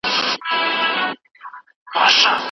چي تر بیرغ لاندي یې ټول